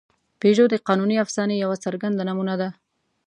پيژو د قانوني افسانې یوه څرګنده نمونه ده.